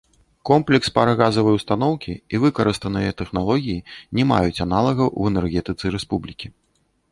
Комплекс парагазавай устаноўкі і выкарыстаныя тэхналогіі не маюць аналагаў у энергетыцы рэспублікі.